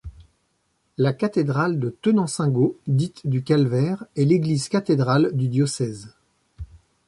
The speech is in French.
La cathédrale de Tenancingo, dite du Calvaire, est l'église cathédrale du diocèse.